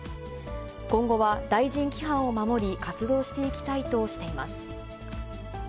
今後は大臣規範を守り、活動していきたいとしています。